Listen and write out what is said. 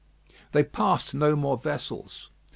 They passed no more vessels.